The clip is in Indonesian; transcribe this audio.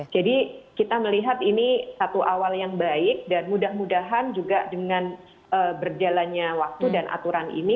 jadi kita melihat ini satu awal yang baik dan mudah mudahan juga dengan berjalannya waktu dan aturan ini